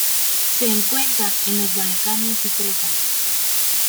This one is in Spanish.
Se encuentra en los Balcanes y Creta.